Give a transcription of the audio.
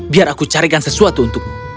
biar aku carikan sesuatu untukmu